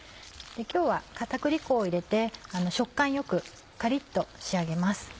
今日は片栗粉を入れて食感よくカリっと仕上げます。